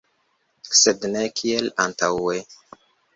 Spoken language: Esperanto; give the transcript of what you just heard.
Sed ne kiel antaŭe.